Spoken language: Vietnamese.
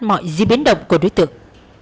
mọi di biến động của đối tượng